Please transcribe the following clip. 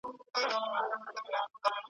تا به ویل زما د خالپوڅو او بابا کلی دی `